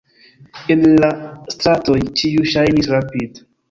En la stratoj ĉiu ŝajnis rapid.